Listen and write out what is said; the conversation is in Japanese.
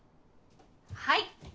はい！